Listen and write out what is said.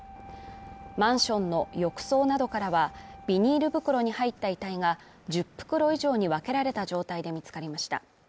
マンションの浴槽などからはビニール袋に入った遺体が１０袋以上に分けられた状態で見つかりました。